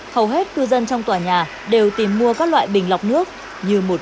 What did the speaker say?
hầu hết cư dân trong tòa nhà đều tìm mua các loại bình lọc nước như một cứu cánh